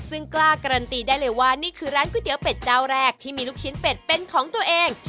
ซึ่งกล้าการันตีได้เลยว่านี่คือร้านก๋วยเตี๋ยวเป็ดเจ้าแรกที่มีลูกชิ้นเป็ดเป็นของตัวเอง